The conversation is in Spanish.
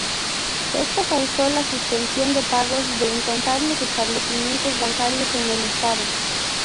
Esto causó la suspensión de pagos de incontables establecimientos bancarios en el estado.